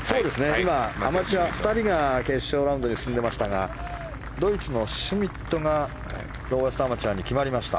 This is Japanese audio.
今、アマチュア２人が決勝ラウンドに進んでいましたがドイツのシュミットがローエストアマチュアに決まりました。